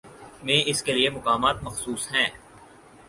میں اس کے لیے مقامات مخصوص ہیں۔